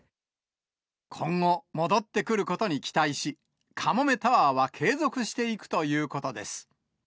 今後、戻ってくることに期待し、カモメタワーは継続していくということです。